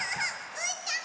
うーたん